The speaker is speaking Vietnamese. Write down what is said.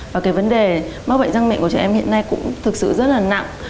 và cái vấn đề mắc bệnh răng mẹ của trẻ em hiện nay cũng thực sự rất là nặng